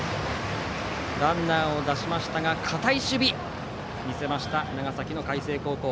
ランナーを出しましたが堅い守備を見せました長崎の海星高校。